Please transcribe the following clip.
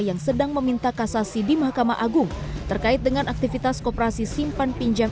yang sedang meminta kasasi di mahkamah agung terkait dengan aktivitas koperasi simpan pinjam